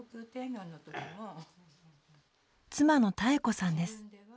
妻の妙子さんです。